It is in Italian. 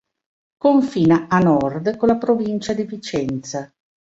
Confina a nord con la provincia di Vicenza.